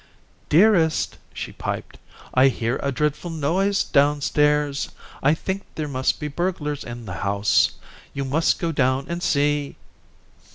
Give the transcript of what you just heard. "Dearest," she piped, "I hear a dreadful noise down stairs. I think there must be burglars in the house. You must go down and see."